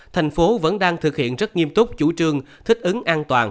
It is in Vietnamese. thành phố vẫn đang thực hiện rất nghiêm túc chủ trương thích ứng an toàn